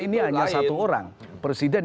ini hanya satu orang presiden